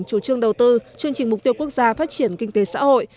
chủ trương đầu tư chương trình mục tiêu quốc gia phát triển kinh tế xã hội